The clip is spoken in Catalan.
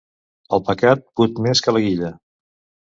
El pecat put més que la guilla.